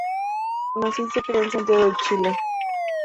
Nació y se crio en Santiago, Chile.